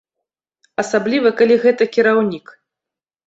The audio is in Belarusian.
Асабліва калі гэта кіраўнік.